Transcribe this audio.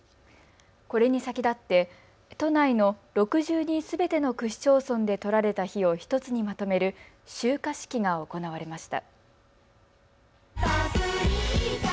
これに先立って都内の６２すべての区市町村で採られた火を１つにまとめる集火式が行われました。